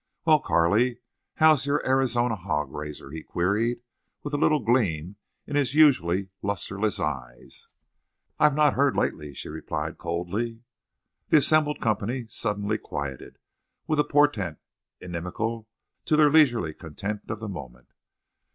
"Well, Carley, how's your Arizona hog raiser?" he queried, with a little gleam in his usually lusterless eyes. "I have not heard lately," she replied, coldly. The assembled company suddenly quieted with a portent inimical to their leisurely content of the moment.